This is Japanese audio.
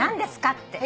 って。